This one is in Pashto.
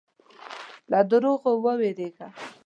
له دروغو وېرېږه.